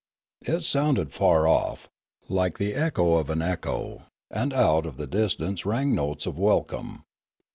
It sounded far off, like the echo of an echo, and out of the distance rang notes of welcome.